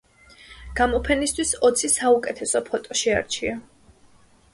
გამოფენისთვის ოცი საუკეთესო ფოტო შეარჩია.